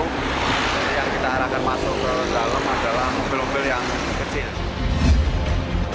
jadi yang kita arahkan masuk ke jalan dalam adalah mobil mobil yang kecil